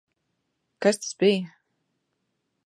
Kas tas bija?